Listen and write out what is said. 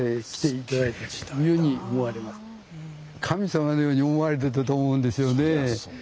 神様のように思われてたと思うんですよね。